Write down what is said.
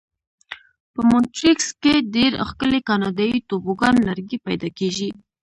په مونټریکس کې ډېر ښکلي کاناډایي توبوګان لرګي پیدا کېږي.